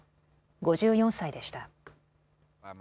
５４歳でした。